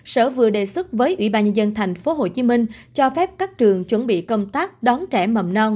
sở vừa đề xuất với ủy ban nhân dân tp hcm cho phép các trường chuẩn bị công tác đón trẻ mầm non